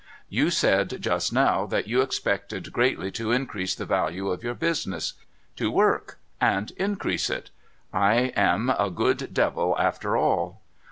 You said just now that you expected greatly to increase the value of your business. To work — and increase it ! I am a good devil after all